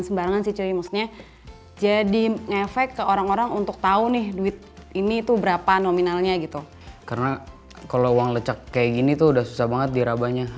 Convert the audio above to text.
sampai jumpa di video selanjutnya